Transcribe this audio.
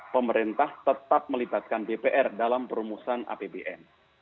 pemerintah tetap melibatkan dpr dalam perumusan apbn